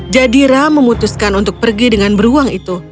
jadi rah memutuskan untuk pergi dengan beruang itu